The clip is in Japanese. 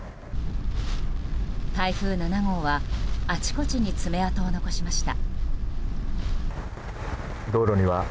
台風７号はあちこちに爪痕を残しました。